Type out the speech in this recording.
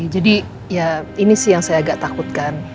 jadi ya ini sih yang saya agak takutkan